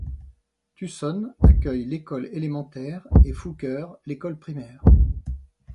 Tusson accueille l'école élémentaire et Fouqueure l'école primaire.